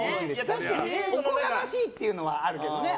確かに、おこがましいっていうのはあるけどね。